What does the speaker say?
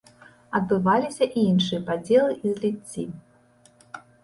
Адбываліся і іншыя падзелы і зліцці.